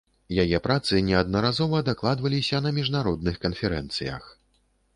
Яе працы неаднаразова дакладваліся на міжнародных канферэнцыях.